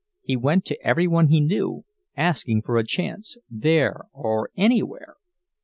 He went to every one he knew, asking for a chance, there or anywhere.